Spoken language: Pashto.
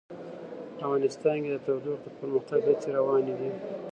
افغانستان کې د تودوخه د پرمختګ هڅې روانې دي.